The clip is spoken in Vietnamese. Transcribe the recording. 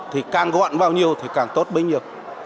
thì càng gọn bao nhiêu thì càng tốt bấy nhiêu